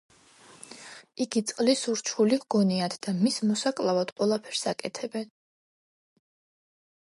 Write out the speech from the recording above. იგი წყლის ურჩხული ჰგონიათ და მის მოსაკლავად ყველაფერს აკეთებენ.